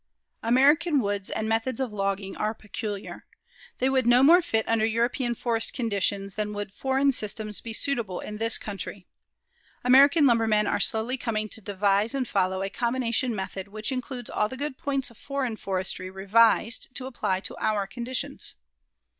American woods and methods of logging are peculiar. They would no more fit under European forest conditions than would foreign systems be suitable in this country. American lumbermen are slowly coming to devise and follow a combination method which includes all the good points of foreign forestry revised to apply to our conditions.